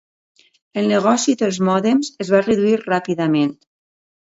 El negoci dels mòdems es va reduir ràpidament.